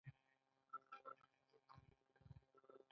د مطالعاتو پر بنسټ یو ځواب لرو.